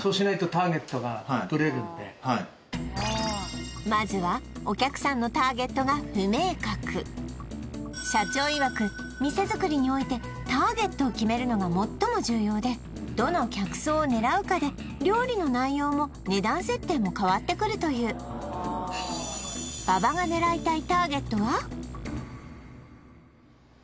なるほどまずはお客さんのターゲットが不明確社長いわく店作りにおいてターゲットを決めるのが最も重要でどの客層を狙うかで料理の内容も値段設定も変わってくるというお願いします